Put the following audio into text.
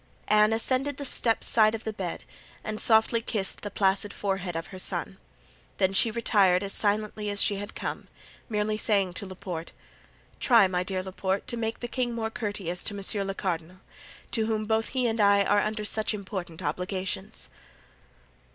Anne ascended the steps side of the bed and softly kissed the placid forehead of her son; then she retired as silently as she had come, merely saying to Laporte: "Try, my dear Laporte, to make the king more courteous to Monsieur le Cardinal, to whom both he and I are under such important obligations."